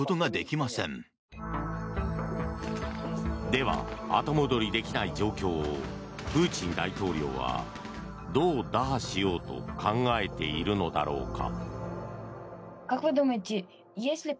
では後戻りできない状況をプーチン大統領はどう打破しようと考えているのだろうか。